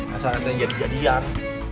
masa nanti jadi jadian